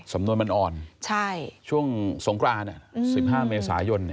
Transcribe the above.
สำนวนมันอ่อนช่วงสงกราน๑๕เมษายน